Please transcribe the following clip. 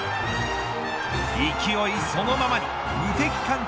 勢いそのままに無敵艦隊